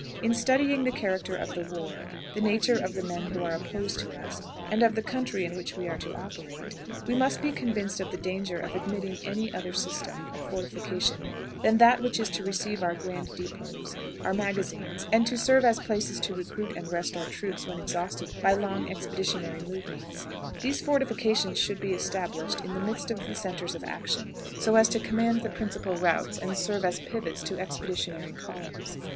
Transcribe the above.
In studying the character of the war, the nature of the men who are to oppose us, and of the country in which we are to operate, we must be convinced of the danger of admitting any other system of fortification than that which is to receive our grand depôts, our magazines, and to serve as places to recruit and rest our troops when exhausted by long expeditionary movements. "These fortifications should be established in the midst of the centres of action, so as to command the principal routes, and serve as pivots to expeditionary columns.